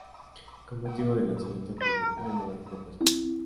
Con motivo del lanzamiento, emprende una nueva gira por España.